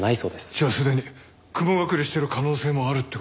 じゃあすでに雲隠れしてる可能性もあるって事か。